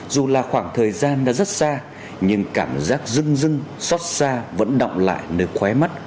dù là khoảng thời gian đã rất xa nhưng cảm giác rưng dưng xót xa vẫn động lại nơi khoé mắt